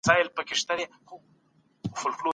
منفي پایلې تر مثبتو هغو ډیر پام غواړي.